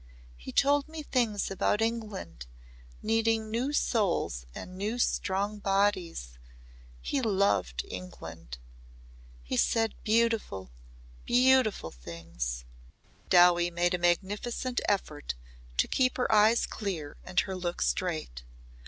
He told me things about England needing new souls and new strong bodies he loved England. He said beautiful beautiful things." Dowie made a magnificent effort to keep her eyes clear and her look straight.